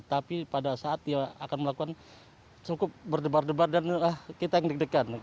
tapi pada saat dia akan melakukan cukup berdebar debar dan kita yang deg degan